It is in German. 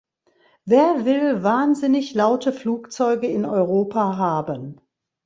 Wer will wahnsinnig laute Flugzeuge in Europa haben?